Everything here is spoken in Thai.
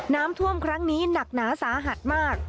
น้ำท่วมครั้งนี้หนักหนาสาหัสมาก